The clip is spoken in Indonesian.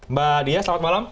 mbak dya selamat malam